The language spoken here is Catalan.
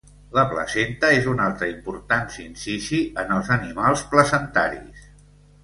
La placenta és un altre important sincici en els animals placentaris.